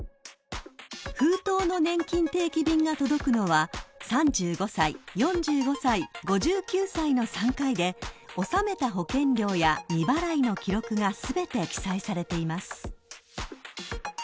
［封筒のねんきん定期便が届くのは３５歳４５歳５９歳の３回で納めた保険料や未払いの記録が全て記載されています］